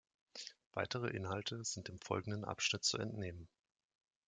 Weitere Inhalte sind dem folgenden Abschnitt zu entnehmen.